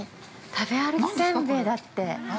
食べ歩きせんべいだって。